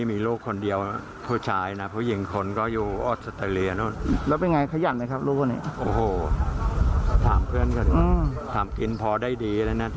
เมียยังดี